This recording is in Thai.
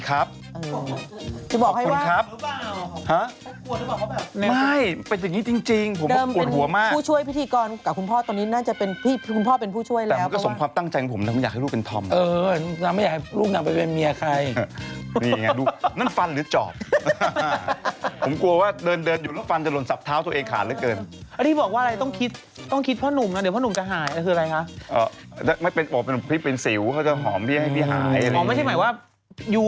คุณพ่อเป็นผู้ช่วยแล้วเพราะว่าแต่มันก็สมความตั้งใจกับผมแล้วไม่อยากให้ลูกเป็นธอมเออแล้วไม่อยากให้ลูกหนังไปเป็นเมียใครนี่ไงดูนั่นฟันหรือจอบผมกลัวว่าเดินอยู่แล้วฟันจะหล่นสับเท้าตัวเองขาดเหลือเกินแล้วที่บอกว่าอะไรต้องคิดต้องคิดพ่อนุ่มนะเดี๋ยวพ่อนุ่